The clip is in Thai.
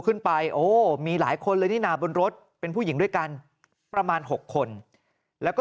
โอ้มีหลายคนเลยนี่นะบนรถเป็นผู้หญิงด้วยกันประมาณ๖คนแล้วก็